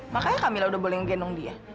makanya kamila udah boleh ngegendong dia